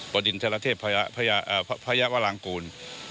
ประดินเทราเทพพระยาวลังกุล